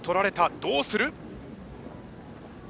どうする！？